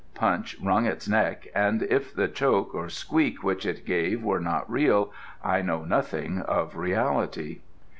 Punch wrung its neck, and if the choke or squeak which it gave were not real, I know nothing of reality.